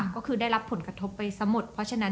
ก็คือได้รับผลกระทบไปสมด